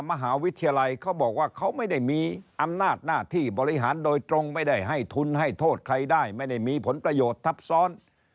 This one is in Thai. มหาวิทยาลัยเขาบอกว่าเขาไม่ได้มีอำนาจหน้าที่บริหารโดยตรงไม่ได้ให้ทุนให้โทษใครได้ไม่ได้มีผลประโยชน์ทับซ้อน